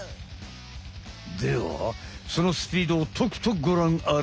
ではそのスピードをとくとごらんあれ。